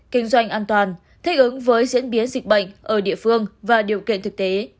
kinh doanh an toàn thích ứng với diễn biến dịch bệnh ở địa phương và điều kiện thực tế